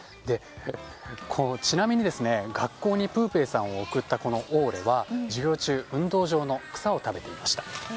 ちなみに、学校にプーペーさんを送ったオーレは、授業中運動場の草を食べていました。